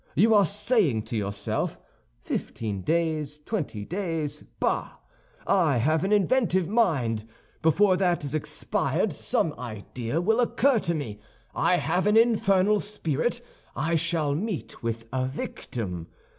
You are saying to yourself: 'Fifteen days, twenty days? Bah! I have an inventive mind; before that is expired some idea will occur to me. I have an infernal spirit. I shall meet with a victim.